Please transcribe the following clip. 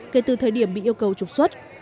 kể từ thời điểm bị yêu cầu trục xuất